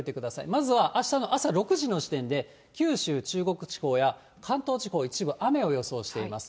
まずはあしたの朝６時の時点で九州、中国地方や、関東地方、一部、雨を予想しています。